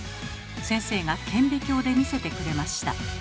先生が顕微鏡で見せてくれました。